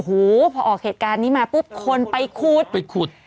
โหพอออกเหตุการณ์นี้มาปุ๊บคนไปขูด